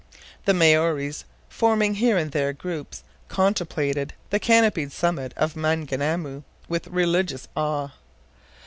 The Maories, forming here and there groups, contemplated the canopied summit of Maunganamu with religious awe.